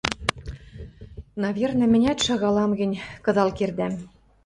Навернӹ, мӹнят, шагалам гӹнь, кыдал кердӓм».